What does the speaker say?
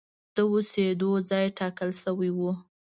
د اوسېدو ځای ټاکل شوی و.